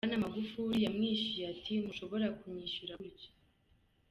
Bwana Magufuli yamwishuye ati: "Ntushobora kunyishura gurtyo.